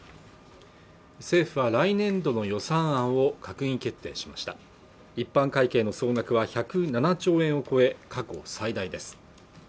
政府は来年度の予算案を閣議決定しました一般会計の総額は１０７兆円を超え過去最大です